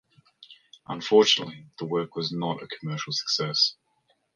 Unfortunately the work was not a commercial success.